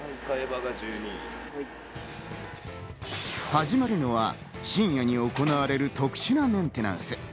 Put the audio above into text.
始まるのは深夜に行われる特殊なメンテナンス。